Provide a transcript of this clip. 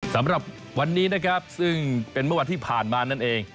สำหรับวันนี้นะครับซึ่งเป็นเมื่อวันที่ผ่านมานั่นเอง